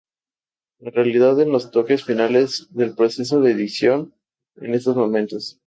En realidad en los toques finales del proceso de edición en estos momentos.